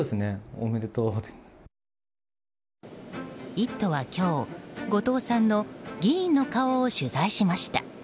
「イット！」は今日後藤さんの議員の顔を取材しました。